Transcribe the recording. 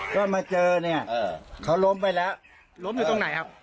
ก็มาเจอเนี่ยเขาล้มไปแล้วล้มอยู่ตรงไหนครับ